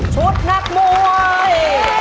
ชุดนักมวย